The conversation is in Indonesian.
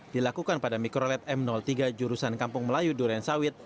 dilakukan pada mikrolet m tiga jurusan kampung melayu duren sawit